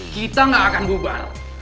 kita gak akan bubar